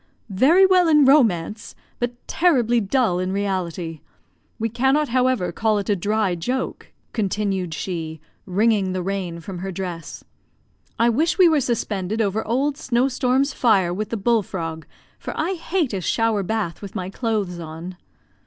"Very well in romance, but terribly dull in reality. We cannot, however, call it a dry joke," continued she, wringing the rain from her dress. "I wish we were suspended over Old Snow storm's fire with the bull frog, for I hate a shower bath with my clothes on."